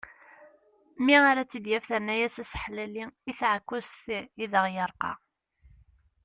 Mi ara tt-id-yaf terna-yas aseḥlelli i tεekkazt i d aɣ-yerqa.